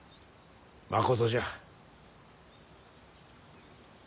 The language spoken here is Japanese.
まことじゃ。